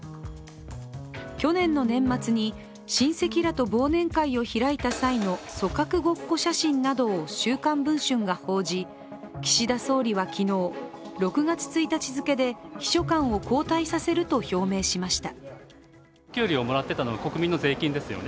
去年の年末に親戚らと忘年会を開いた際の組閣ごっこ写真などを「週刊文春」が報じ岸田総理は昨日、６月１日付けで秘書官を交代させると表明しました。